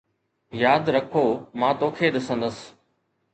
ياد رکو مان توکي ڏسندس